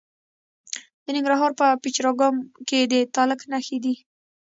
د ننګرهار په پچیر اګام کې د تالک نښې دي.